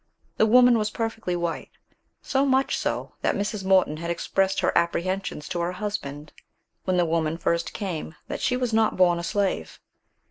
The woman was perfectly white; so much so, that Mrs. Morton had expressed her apprehensions to her husband, when the woman first came, that she was not born a slave.